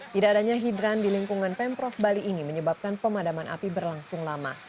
tidak adanya hidran di lingkungan pemprov bali ini menyebabkan pemadaman api berlangsung lama